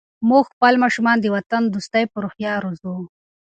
موږ خپل ماشومان د وطن دوستۍ په روحیه روزو.